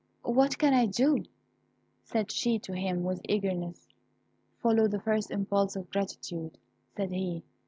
"What can I do?" said she to him with eagerness. "Follow the first impulse of gratitude," said he.